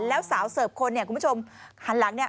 แล้วสาวเสิร์ฟคนเนี่ยคุณผู้ชมหันหลังเนี่ย